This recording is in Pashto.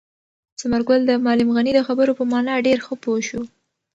ثمر ګل د معلم غني د خبرو په مانا ډېر ښه پوه شو.